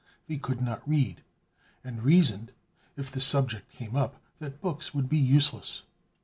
They could not read, and reasoned if the subject came up that books would be useless.